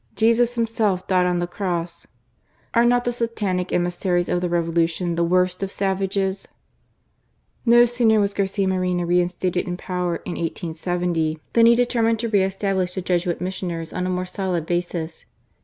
Jesus Himself died on the Cross !" Are not the satanic emissaries of the Revolution the worst of savages ? No sooner was Garcia Moreno re instated in power in 1870, than he determined to re establish the Jesuit missioners on a more solid basis.